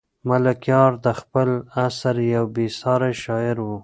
ملکیار د خپل عصر یو بې ساری شاعر و.